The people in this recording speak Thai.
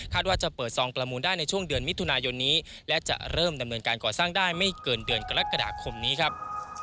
ว่าจะเปิดซองประมูลได้ในช่วงเดือนมิถุนายนนี้และจะเริ่มดำเนินการก่อสร้างได้ไม่เกินเดือนกรกฎาคมนี้ครับ